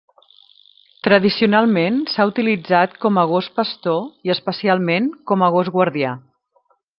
Tradicionalment s'ha utilitzat com a gos pastor i especialment com a gos guardià.